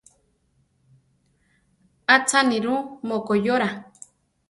Acha nirú mokoyóra.